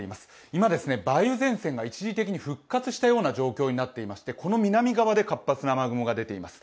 今、梅雨前線が一時的に復活したような状況になっていましてこの南側で活発な雨雲が出ています。